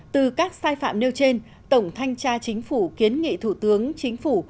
từ các sai phạm nêu trên tổng thanh tra chính phủ kiến nghị thủ tướng chính phủ